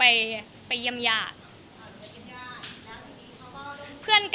แล้วมันมีอะไรที่คุณบอกค่ะ